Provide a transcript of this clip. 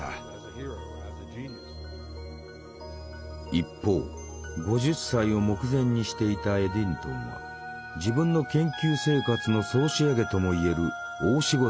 一方５０歳を目前にしていたエディントンは自分の研究生活の総仕上げとも言える大仕事に取りかかっていた。